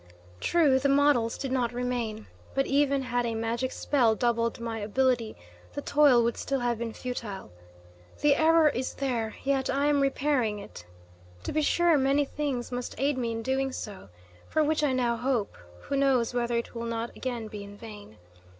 True, the models did not remain. But even had a magic spell doubled my ability, the toil would still have been futile. The error is there; yet I am repairing it. To be sure, many things must aid me in doing so, for which I now hope; who knows whether it will not again be in vain?